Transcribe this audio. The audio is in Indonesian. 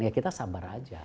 ya kita sabar aja